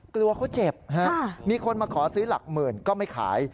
กลัวเขาเจ็บมีคนมาขอซื้อหลักหมื่นก็ไม่ขาย